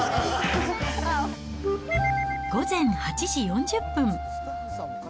午前８時４０分。